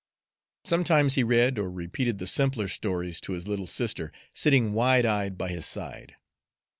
Sometimes he read or repeated the simpler stories to his little sister, sitting wide eyed by his side.